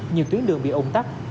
nhiều tuyến đường bị ủng tắt